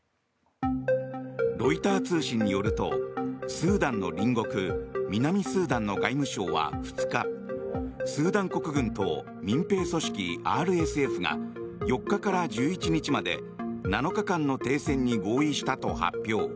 ロイター通信によるとスーダンの隣国南スーダンの外務省は２日スーダン国軍と民兵組織ＲＳＦが４日から１１日まで７日間の停戦に合意したと発表。